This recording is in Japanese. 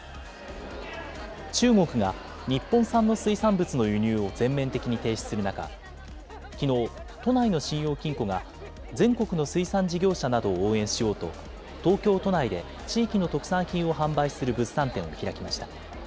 中国が日本産の水産物の輸入を全面的に停止する中、きのう、都内の信用金庫が全国の水産事業者などを応援しようと、東京都内で地域の特産品を販売する物産展を開きました。